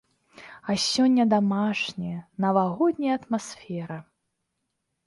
А сёння дамашняя, навагодняя атмасфера.